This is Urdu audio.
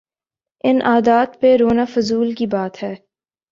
ان عادات پہ رونا فضول کی بات ہے۔